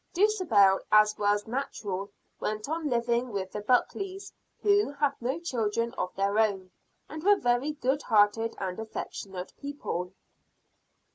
Dulcibel, as was natural, went on living with the Buckleys, who had no children of their own, and were very good hearted and affectionate people.